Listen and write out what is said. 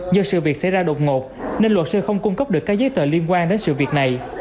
do sự việc xảy ra đột ngột nên luật sư không cung cấp được các giấy tờ liên quan đến sự việc này